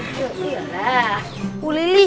ya udah lah